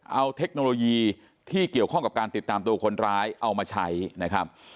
เอาเทคโนโลยีที่เกี่ยวข้องกับการติดตามตัวคนร้ายเอามาใช้นะครับ